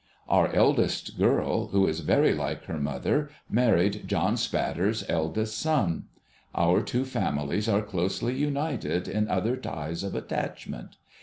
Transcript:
Our eldest girl, who is very like her mother, married John Spatter's eldest son. Our two families are closely united in other ties of attachment.